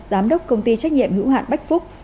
giám đốc công ty trách nhiệm hữu hạn bách phúc